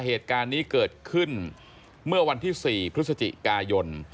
เหตุการณ์นี้เกิดขึ้นเมื่อวันที่๔พฤศจิกายน